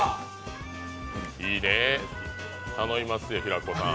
いいね、頼みますよ平子さん。